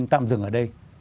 tạm dừng ở đây